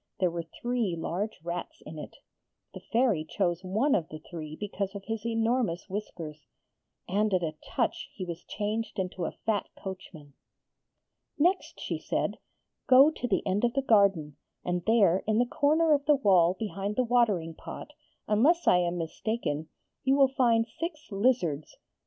There were three large rats in it. The Fairy chose one of the three because of his enormous whiskers, and at a touch he was changed into a fat coachman. Next she said: 'Go to the end of the garden; and there in the corner of the wall behind the watering pot, unless I am mistaken, you will find six lizards.